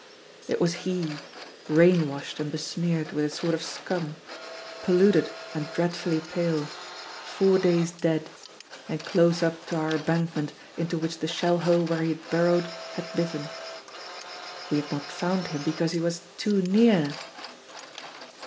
It was he, rain washed and besmeared with a sort of scum, polluted and dreadfully pale, four days dead, and close up to our embankment into which the shell hole where he had burrowed had bitten. We had not found him because he was too near!